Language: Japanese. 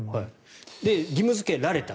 で、義務付けられた。